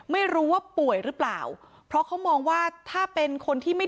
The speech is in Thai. ไม่รู้ว่าป่วยหรือเปล่าเพราะเขามองว่าถ้าเป็นคนที่ไม่